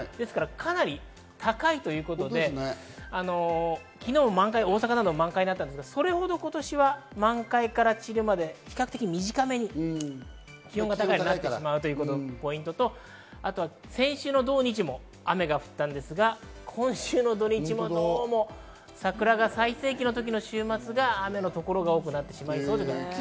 かなり高いということで、昨日満開、大阪なども満開でしたが、それほど今年は満開から散るまで比較的短めに、気温が高いのでなってしまうのがポイントと先週の土日も雨が降ったんですが、今週の土日もどうも桜が最盛期の時の週末が雨の所が多くなってしまいそうです。